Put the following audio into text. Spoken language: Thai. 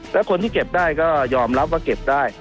แล้วคนที่เก็บได้ก็ยอมรับว่าเก็บได้